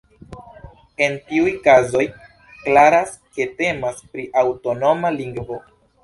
En tiuj kazoj klaras, ke temas pri aŭtonoma lingvo.